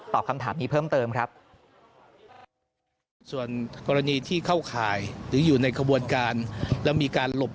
คำถามนี้เพิ่มเติมครับ